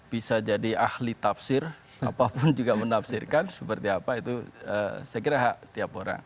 bisa jadi ahli tafsir apapun juga menafsirkan seperti apa itu saya kira hak setiap orang